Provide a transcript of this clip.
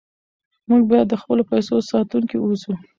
موږ باید د خپلو پیسو ساتونکي اوسو.